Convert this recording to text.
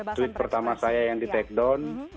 tweet pertama saya yang di take down